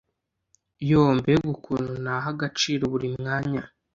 yoo, mbega ukuntu naha agaciro buri mwanya